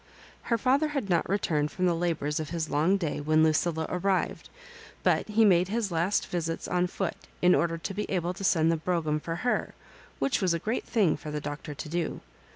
Her father had not returned from the labours of his long day when Lucilla arrived, but he made his last visits on foot in order to be able to send the brougham for her, which was a great thing for the Doctor to do.